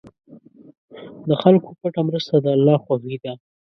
د خلکو پټه مرسته د الله خوښي ده.